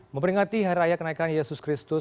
memperingati hari raya kenaikan yesus kristus